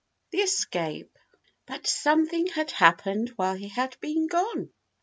THE ESCAPE But something had happened while he had been gone.